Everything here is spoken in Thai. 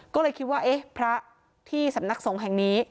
ก็เลยคิดว่าเอ๊ะพระที่สำนักสงฆ์แห่งนี้